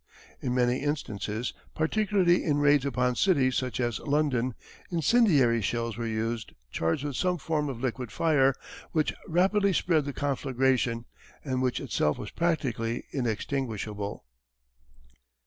In many instances, particularly in raids upon cities such as London, incendiary shells were used charged with some form of liquid fire, which rapidly spread the conflagration, and which itself was practically inextinguishable.